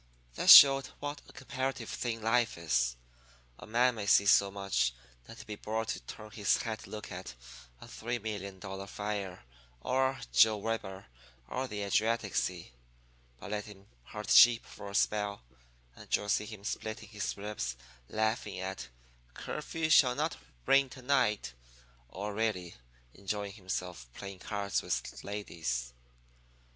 "That showed what a comparative thing life is. A man may see so much that he'd be bored to turn his head to look at a $3,000,000 fire or Joe Weber or the Adriatic Sea. But let him herd sheep for a spell, and you'll see him splitting his ribs laughing at 'Curfew Shall Not Ring To night,' or really enjoying himself playing cards with ladies.